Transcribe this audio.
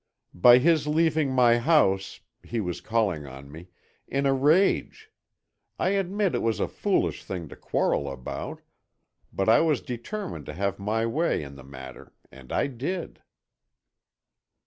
"By his leaving my house—he was calling on me—in a rage. I admit it was a foolish thing to quarrel about, but I was determined to have my way in the matter, and I did."